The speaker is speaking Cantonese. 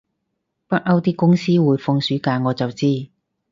北歐啲公司會放暑假我就知